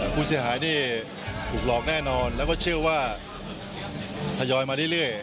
ผู้เสียหายนี่ถูกหลอกแน่นอนแล้วก็เชื่อว่าทยอยมาเรื่อย